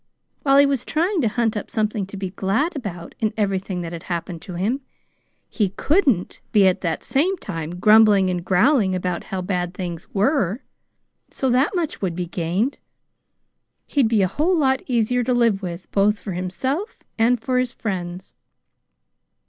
While he was trying to hunt up something to be glad about in everything that had happened to him, he COULDN'T be at the same time grumbling and growling about how bad things were; so that much would be gained. He'd be a whole lot easier to live with, both for himself and for his friends.